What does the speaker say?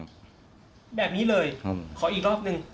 แบบนี้เลยขออีกรอบหนึ่ง